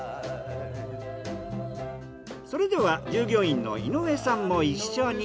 それでは従業員の井上さんも一緒に。